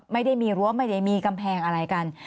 ไม่ได้มีรั้วไม่ได้มีกำแพงอะไรกัน